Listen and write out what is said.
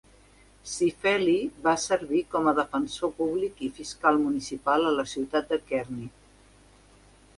Cifelli va servir com a defensor públic i fiscal municipal a la ciutat de Kearny.